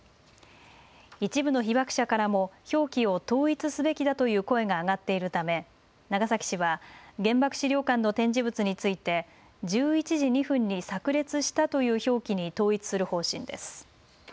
一部の被爆者からも表記を統一すべきだという声が上がっているため長崎市は原爆資料館の展示物について１１時２分にさく裂したという表記に統一する方針です。